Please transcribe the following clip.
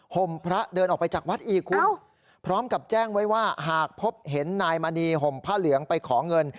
ห่มพระเดินออกไปจากวัดอีกคุณพร้อมกับแจ้งไว้ว่าหากพบเห็นนายมณีห่มผ้าเหลืองไปขอเงิน